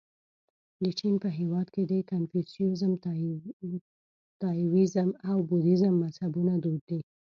د چین په هېواد کې د کنفوسیزم، تائویزم او بودیزم مذهبونه دود دي.